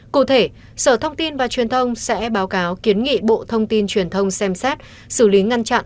cụ thể sở thông tin và truyền thông sẽ báo cáo kiến nghị bộ thông tin truyền thông xem xét xử lý ngăn chặn